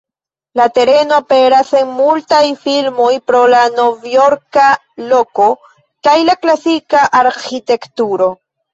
La tereno aperas en multaj filmoj, pro la novjorka loko kaj la klasika arĥitekturo.